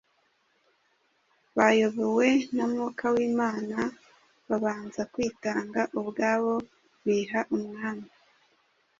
Bayobowe na Mwuka w’Imana “babanza kwitanga ubwabo biha Umwami”